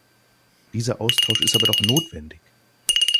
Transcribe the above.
Dieser Austausch ist aber doch notwendig!